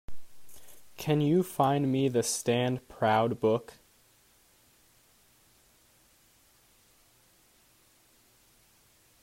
Can you find me the Stand Proud book?